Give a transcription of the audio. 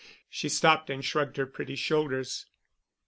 She stopped and shrugged her pretty shoulders.